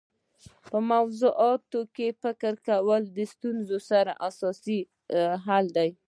په موضوعاتو کي فکر کول د ستونزو اساسي حل دی.